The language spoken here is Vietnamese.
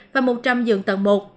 và một trăm linh giường tầng một